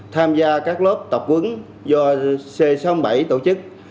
tham gia các lớp tập quấn do c sáu mươi bảy tổ chức